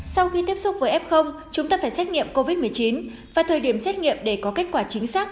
sau khi tiếp xúc với f chúng ta phải xét nghiệm covid một mươi chín và thời điểm xét nghiệm để có kết quả chính xác